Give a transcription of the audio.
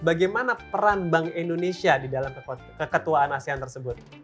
bagaimana peran bank indonesia di dalam keketuaan asean tersebut